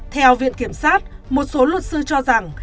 theo viện kiểm sát một số luật sư cho rằng